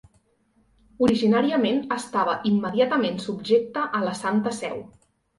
Originàriament estava immediatament subjecta a la Santa Seu.